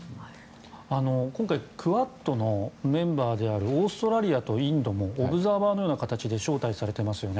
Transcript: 今回、クアッドのメンバーであるオーストラリアとインドもオブザーバーのような形で招待されていますよね。